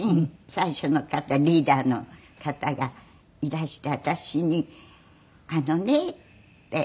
最初の方リーダーの方がいらして私に「あのね」って。